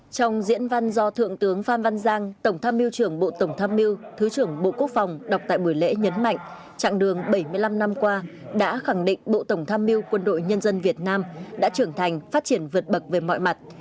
trong diễn văn do thượng tướng phan văn giang tổng tham mưu trưởng bộ tổng tham mưu thứ trưởng bộ quốc phòng đọc tại buổi lễ nhấn mạnh trạng đường bảy mươi năm năm qua đã khẳng định bộ tổng tham mưu quân đội nhân dân việt nam đã trưởng thành phát triển vượt bậc về mọi mặt